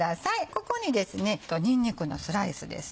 ここににんにくのスライスですね。